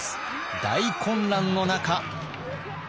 大混乱の中。